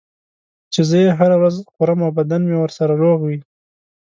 چې زه یې هره ورځ خورم او بدنم ورسره روغ وي.